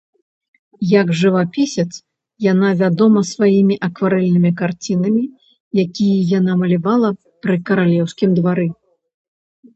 Як жывапісец, яна вядома сваімі акварэльнымі карцінамі, якія яна малявала пры каралеўскім двары.